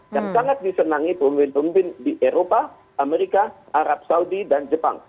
yang sangat disenangi pemimpin pemimpin di eropa amerika arab saudi dan jepang